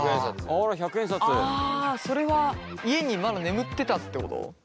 あそれは家にまだ眠ってたってこと？